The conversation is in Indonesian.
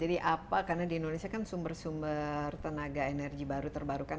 jadi apa karena di indonesia kan sumber sumber tenaga energi baru terbarukan